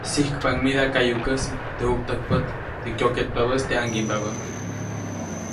Sijkpaʼuŋ mida kayukäsi teʼ juktäjkpät, teʼ kyoketpabäʼis teʼ ʼaŋgiʼmbabä.